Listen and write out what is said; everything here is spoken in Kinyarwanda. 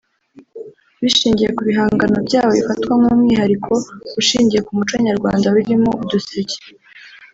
bishingiye ku bihangano byabo bifatwa nk’umwihariko ushingiye ku muco nyarwanda birimo uduseke